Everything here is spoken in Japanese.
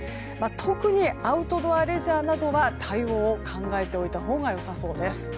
特にアウトドアレジャーなどは対応を考えておいたほうが良さそうです。